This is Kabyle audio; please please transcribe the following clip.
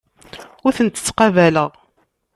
Ur tent-ttqabaleɣ.